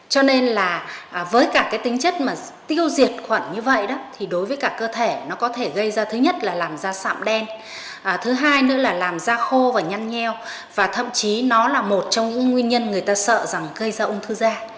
cho nên là với cả cái tính chất mà tiêu diệt khuẩn như vậy đó thì đối với cả cơ thể nó có thể gây ra thứ nhất là làm da sạm đen thứ hai nữa là làm da khô và nhăn nheo và thậm chí nó là một trong những nguyên nhân người ta sợ rằng gây ra ung thư da